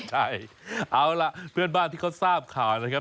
ใช่เอาล่ะเพื่อนบ้านที่เขาทราบข่าวนะครับ